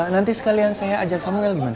nanti sekalian saya ajak samuel gimana